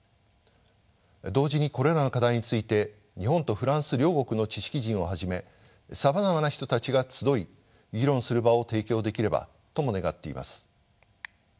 同時にこれらの課題について日本とフランス両国の知識人をはじめさまざまな人たちが集い議論する場を提供できればとも願っています。